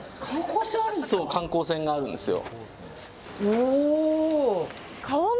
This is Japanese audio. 観光船があるんですか。